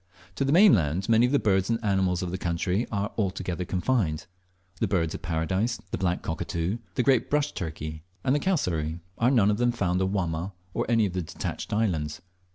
To the mainland many of the birds and animals of the country are altogether confined; the Birds of paradise, the black cockatoo, the great brush turkey, and the cassowary, are none of them found on Wamma or any of the detached islands.